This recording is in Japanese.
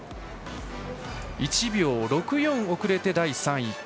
１秒６４遅れて第３位。